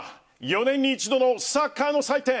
４年に一度のサッカーの祭典